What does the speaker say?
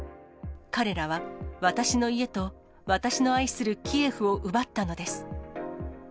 彼らは私の家と、私の愛するキエフを奪ったのです。